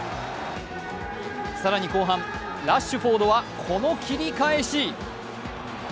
更に後半、ラッシュフォードはこの切り返し。